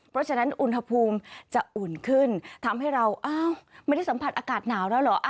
เพราะฉะนั้นอุณหภูมิจะอุ่นขึ้นทำให้เราอ้าวไม่ได้สัมผัสอากาศหนาวแล้วเหรอ